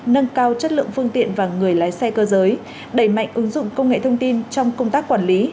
nâng cao chất lượng phương tiện và người lái xe cơ giới đẩy mạnh ứng dụng công nghệ thông tin trong công tác quản lý